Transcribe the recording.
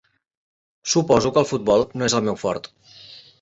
Suposo que el futbol no és el meu fort.